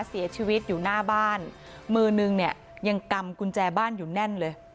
เสียชีวิตอยู่หน้าบ้านมือนึงเนี่ยยังกำกุญแจบ้านอยู่แน่นเลย